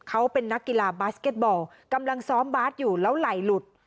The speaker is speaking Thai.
เขาเป็นนักกีฬาบาสเก็ตบอลกำลังซ้อมบาสอยู่แล้วไหลหลุด